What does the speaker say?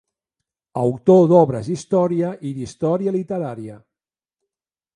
Autor d'obres d'història i d'història literària.